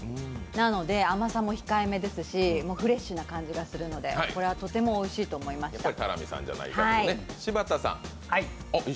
なので甘さも控えめですしフレッシュな感じがするのでこれは、とてもおいしいと思いました。